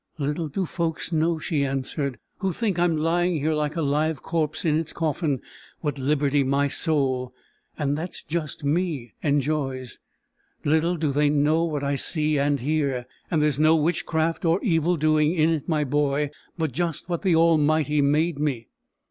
"Little do folks know," she answered, "who think I'm lying here like a live corpse in its coffin, what liberty my soul and that's just me enjoys. Little do they know what I see and hear. And there's no witchcraft or evil doing in it, my boy; but just what the Almighty made me.